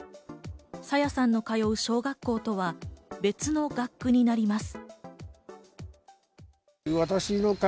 朝芽さんの通う小学校とは別の学区になります。